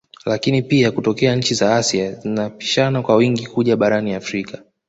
Lakini pia kutokea nchi za Asia zinapishana kwa wingi kuja barani Afrika